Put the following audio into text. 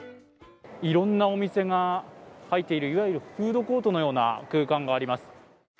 いろんなお店が入っているいわゆるフードコートのような空間があります。